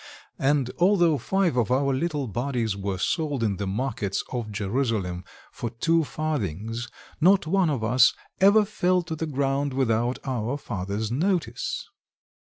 And although five of our little bodies were sold in the markets of Jerusalem for two farthings, not one of us ever fell to the ground without our Father's notice!"